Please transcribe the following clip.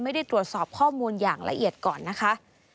ไม่ได้ตรวจสอบข้อมูลอย่างละเอียดก่อนนะคะ